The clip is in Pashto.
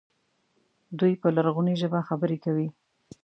دوی په لرغونې ژبه خبرې کوي.